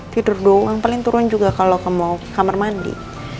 tidur doang paling turun juga kalau mau ke kamar mandi